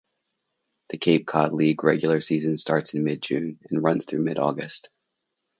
The Cape Cod League regular season starts in mid-June and runs through mid-August.